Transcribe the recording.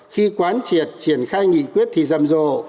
khi quán triệt triển khai nghị quyết thì rầm rộ